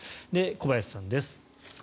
小林さんです。